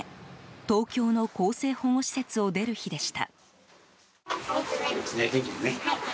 東京の更生保護施設を出る日でした。